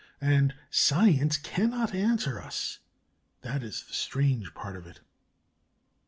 And science cannot answer us. That is the strange part of it.